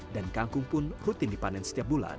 dan kangkung pun rutin dipanen setiap bulan